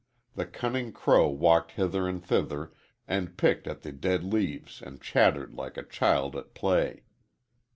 The cunning crow walked hither and thither and picked at the dead leaves and chattered like a child at play.